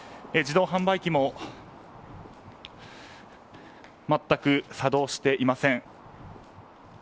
自動販売機も全く作動していません。